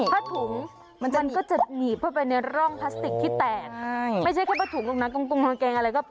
ภาพถูมมันก็จะหนีไปในร่องพลาสติกที่แตก